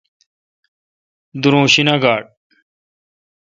دور اں شیناک گاڑ۔